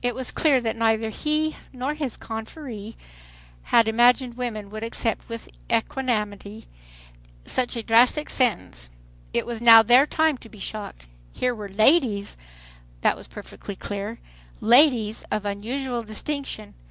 It was clear that neither he nor his confreres had imagined women would accept with equanimity so drastic a sentence. It was now their time to be shocked. Here were "ladies"—that was perfectly clear—"ladies" of unusual distinction.